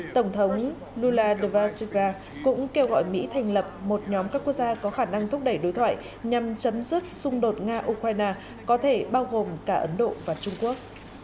tổng thống lula dosuga cũng kêu gọi mỹ thành lập một nhóm các quốc gia có khả năng thúc đẩy đối thoại nhằm chấm dứt xung đột nga ukraine có thể bao gồm cả ấn độ và trung quốc